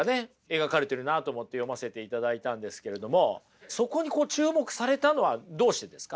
描かれてるなと思って読ませていただいたんですけれどもそこにこう注目されたのはどうしてですか？